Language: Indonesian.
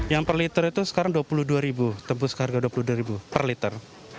yang per liter itu sekarang rp dua puluh dua tembus harga rp dua puluh dua per liter